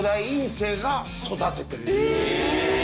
え！